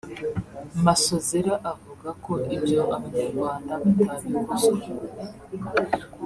Masozera avuga ko ibyo Abanyarwanda batabikozwa